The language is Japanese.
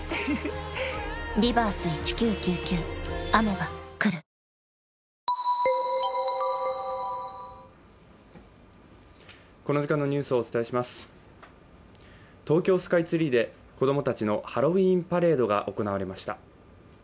「ＧＯＬＤ」も東京スカイツリーで子供たちのハロウィーンパレードが行われました。